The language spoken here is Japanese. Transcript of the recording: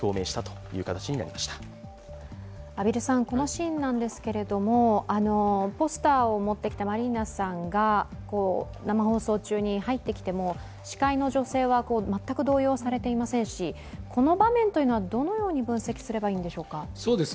このシーンなんですけれども、ポスターを持ってきたマリーナさんが生放送中に入ってきても司会の女性は全く動揺されていませんしこの場面というのは、どのように分析すればいいんでしょうか？